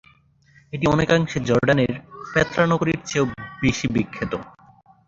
এটি অনেকাংশে জর্ডানের পেত্রা নগরীর চেয়েও বেশি বিখ্যাত।